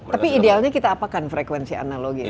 tapi idealnya kita apakan frekuensi analog ini